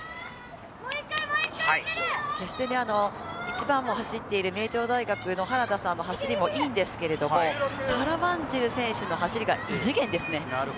決して１番を走っている名城大学の原田さんの走りもいいんですけれど、サラ・ワンジル選手の走りが異次元ですね。